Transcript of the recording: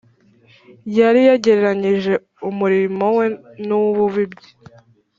yari yagereranyije umurimo we n’uw’umubibyi